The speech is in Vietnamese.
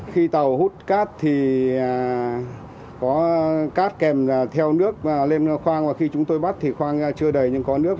khi tàu hút cát thì có cát kèm theo nước lên khoang và khi chúng tôi bắt thì khoang chưa đầy nhưng có nước